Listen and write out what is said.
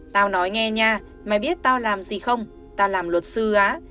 tao nói nghe nha mày biết tao làm gì không tao làm luật sư á